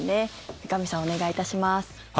三上さん、お願いいたします。